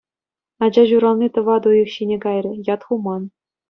Ача ҫурални тӑватӑ уйӑх ҫине кайрӗ, ят хуман.